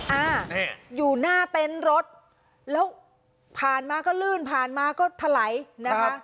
อ่านี่อยู่หน้าเต็นต์รถแล้วผ่านมาก็ลื่นผ่านมาก็ถลายนะคะ